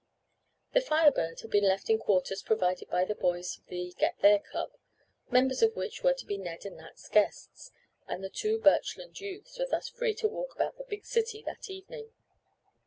The Fire Bird had been left in quarters provided by the boys of the "Get There" club, members of which were to be Ned's and Nat's guests, and the two Birchland youths were thus free to walk about the big city that evening.